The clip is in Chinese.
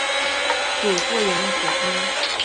祖父杨子安。